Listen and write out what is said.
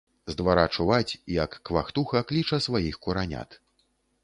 З двара чуваць, як квактуха кліча сваіх куранят.